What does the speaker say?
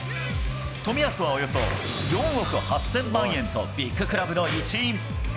冨安はおよそ４億８０００万円とビッグクラブの一員。